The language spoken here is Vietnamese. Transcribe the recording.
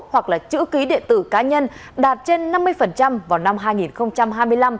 hoặc là chữ ký địa tử cá nhân đạt trên năm mươi vào năm hai nghìn hai mươi năm